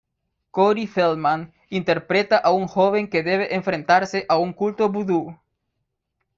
Corey Feldman interpreta a un joven que debe enfrentarse a un culto vudú.